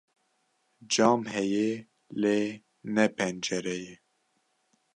cam heye lê ne pencere ye